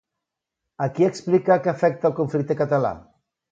A qui explica que afecta el conflicte català?